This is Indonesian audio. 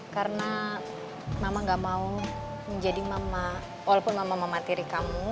karena mama gak mau menjadi mama walaupun mama mematiri kamu